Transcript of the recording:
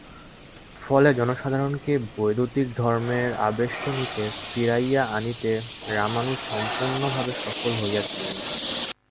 ফলে জনসাধারণকে বৈদিক ধর্মের আবেষ্টনীতে ফিরাইয়া আনিতে রামানুজ সম্পূর্ণভাবে সফল হইয়াছিলেন।